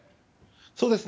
そうですね。